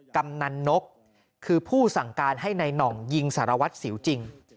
กำนันนกคือผู้สั่งการให้นายหน่องยิงสารวัตรสิวจริง